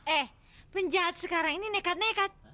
eh penjahat sekarang ini nekat nekat